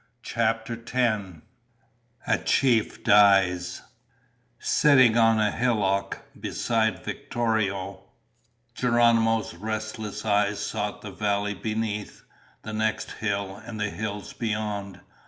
CHAPTER TEN A Chief Dies Sitting on a hillock beside Victorio, Geronimo's restless eyes sought the valley beneath, the next hill, and the hills beyond.